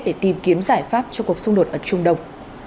để tìm kiếm giải pháp cho cuộc xung đột ở trung đông